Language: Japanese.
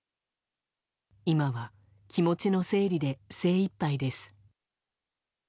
今は気持ちの整理で精いっぱいです。